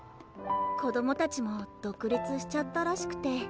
子供たちも独立しちゃったらしくて。